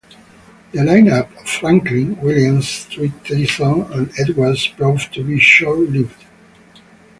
The lineup of Franklin, Williams, Street, Tyson, and Edwards proved to be short-lived.